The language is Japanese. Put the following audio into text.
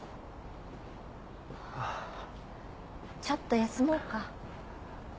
ちょっと休もうか。